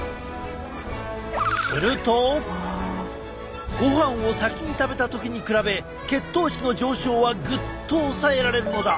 するとごはんを先に食べた時に比べ血糖値の上昇はぐっと抑えられるのだ。